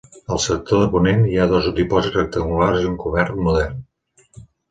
Al sector de ponent, hi ha dos dipòsits rectangulars i un cobert modern.